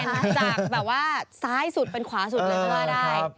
เปลี่ยนจากแบบว่าซ้ายสุดเป็นขวาสุดเลยคือว่าได้